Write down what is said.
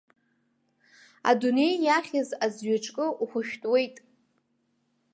Адунеи иахьыз азҩаҿкы ухәышәтәуеит!